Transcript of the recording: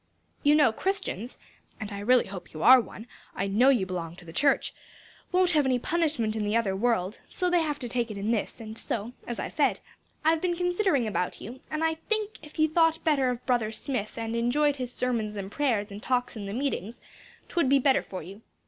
"You know Christians (and I really hope you're one; I know you belong to the church) won't have any punishment in the other world; so they have to take it in this, and so, as I said, I've been considering about you, and I think if you thought better of Brother Smith and enjoyed his sermons and prayers and talks in the meetin's, 'twould be better for you.